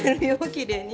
きれいに。